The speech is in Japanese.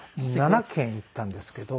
７軒行ったんですけど。